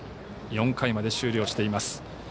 ４回まで終了しています。